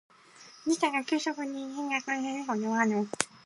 事態が急激に瞬間的に変化すること。